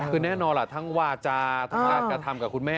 คือแน่นอนล่ะทั้งวาจาทั้งการกระทำกับคุณแม่